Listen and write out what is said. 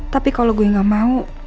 tapi kalau gue gak mau